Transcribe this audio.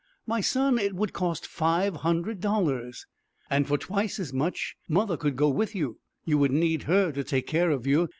"My son, it would cost five hundred dollars." "And for twice as much, mother, could go with you; you would need her to take care of you.